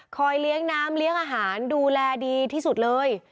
เลี้ยงน้ำเลี้ยงอาหารดูแลดีที่สุดเลย